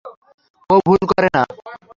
ও ভুল করে না।